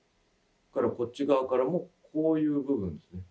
こっち側からもこういう部分ですね。